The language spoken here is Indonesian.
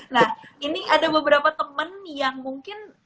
nah ini ada beberapa temen yang mungkin